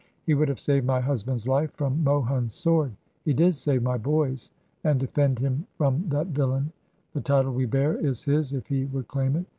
He would have saved my husband's Ufe from Mohun's sword. He did save my boy's, and defend him from that villain. ... The title we bear is his if he would claim it.